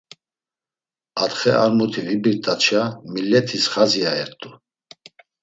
Atxe ar muti vibirt̆atşa millet̆is xazi ayert̆u.